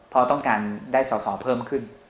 เพราะต้องการได้สอสอเพิ่มขึ้น